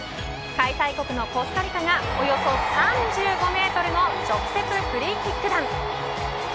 開催国のコスタリカがおよそ３５メートルの直接フリーキック弾。